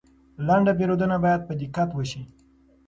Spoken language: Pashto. لنډه پیرودنه باید په دقت وشي.